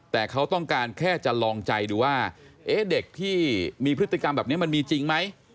แต่เขาต้องการแค่จะลองใจดูว่าเด็กที่มีพฤติกรรมแบบนี้มันมีจริงไหม